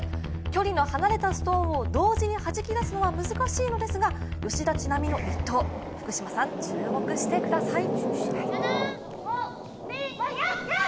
距離の離れたストーンを同時にはじき出すのは難しいのですが吉田知那美の１投、福島さん注目してください。